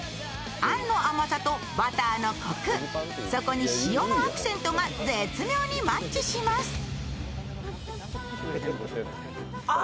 あんの甘さとバターのこく、そこに塩のアクセントが絶妙にマッチします。